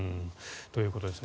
ということです